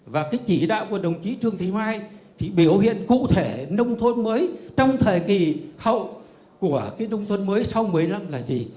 và cái chỉ đạo của đồng chí trương thị mai thì biểu hiện cụ thể nông thôn mới trong thời kỳ hậu của cái nông thôn mới sau một mươi năm là gì